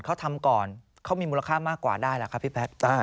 เขาทำก่อนเขามีมูลค่ามากกว่าได้ล่ะครับพี่แพทย์